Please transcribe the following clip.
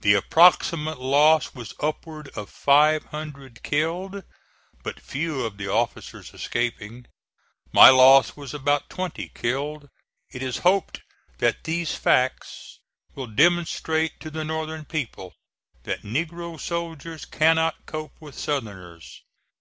The approximate loss was upward of five hundred killed, but few of the officers escaping. My loss was about twenty killed. It is hoped that these facts will demonstrate to the Northern people that negro soldiers cannot cope with Southerners."